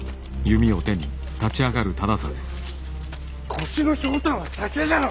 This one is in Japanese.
腰のひょうたんは酒じゃろ！